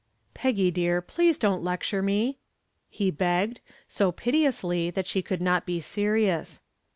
"Peggy, dear, please don't lecture me," he begged, so piteously that she could not be serious.